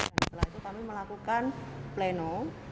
setelah itu kami melakukan pleno